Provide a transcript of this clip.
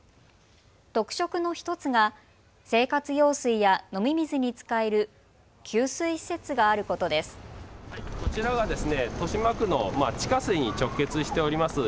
特色の１つが生活用水や飲み水に使える給水施設があることです。